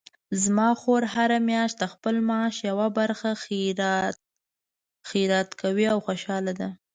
زما خور هره میاشت د خپل معاش یوه برخه خیرات کوي او خوشحاله ده